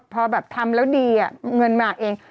พอแบบทำแล้วดีเงินมาเอง